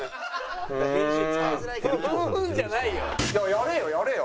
やれよやれよ！